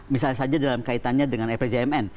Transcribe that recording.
misalnya saja dalam kaitannya dengan fjmn